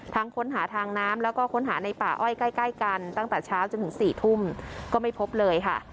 ค้นหาทางน้ำแล้วก็ค้นหาในป่าอ้อยใกล้กันตั้งแต่เช้าจนถึง๔ทุ่มก็ไม่พบเลยค่ะ